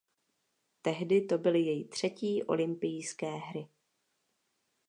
Tehdy to byly její třetí olympijské hry.